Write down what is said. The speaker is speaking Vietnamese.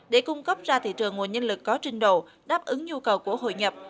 để cung cấp ra thị trường nguồn nhân lực có trình độ đáp ứng nhu cầu của hội nhập